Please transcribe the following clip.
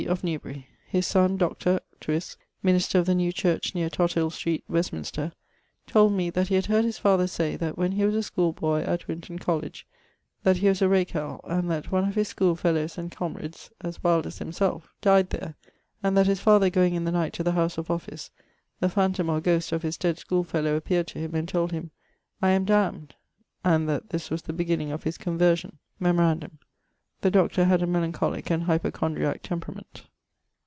of Newbury: his sonne Dr. ... Twisse, minister of the new church neer Tothil street, Westminster, told me that he had heard his father say that when he was a schoole boy at Winton Colledge that he was a rakell, and that one of his schoolefellowes and camerades (as wild as himselfe) dyed there; and that his father goeing in the night to the house of office, the phantome or ghost of his dead schoolefollow appeared to him and told him 'I am damn'd'; and that this was the beginning of his conversion. Memorandum: the Dr. had a melancholique and hypo condriaque temperament.